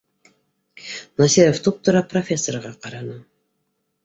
— Насиров туп- тура профессорға ҡараны